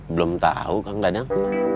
belum tau kang dadang